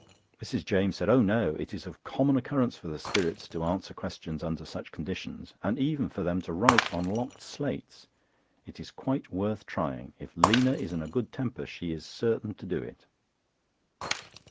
Mrs. James said: "Oh no! it is of common occurrence for the spirits to answer questions under such conditions—and even for them to write on locked slates. It is quite worth trying. If 'Lina' is in a good temper, she is certain to do it."